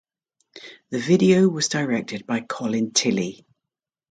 The video was directed by Colin Tilley.